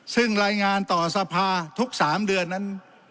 ซึ่งรายงานต่อสภาทุก๓เดือนนั้น